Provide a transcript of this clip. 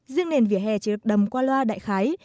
riêng nền vỉa hè chỉ được đầm qua loa đại khái